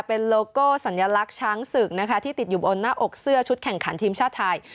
เป็นโลโก้สัญลักษณ์ช้างศึกนะคะที่ติดอยู่บนหน้าอกเสื้อชุดแข่งขันทีมชาติไทย